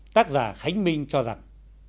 tác giả khánh minh cho rằng